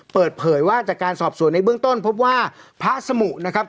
เปิดเผยว่าจากการสอบสวนในเบื้องต้นพบว่าพระสมุนะครับ